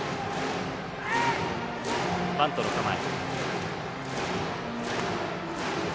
バントの構え。